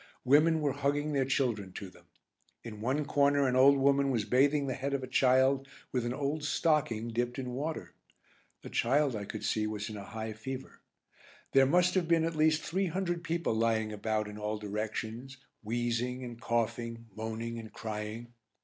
Women were hugging their children to them. In one corner an old woman was bathing the head of a child with an old stocking dipped in water. The child, I could see, was in a high fever. There must have been at least three hundred people lying about in all directions, wheezing and coughing, moaning and crying.